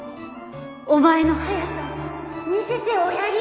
お前の速さを見せておやり！